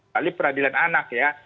paling peradilan anak ya